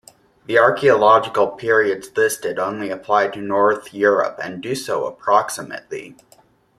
The archaeological periods listed only apply to north Europe, and do so approximately.